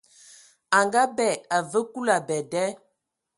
A ngaabɛ, a vǝǝ Kulu abɛ da.